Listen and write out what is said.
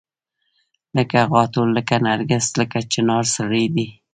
لکه غاټول لکه نرګس لکه چنارسړی دی